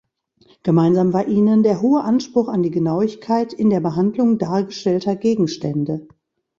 Gemeinsam war ihnen der hohe Anspruch an die Genauigkeit in der Behandlung dargestellter Gegenstände.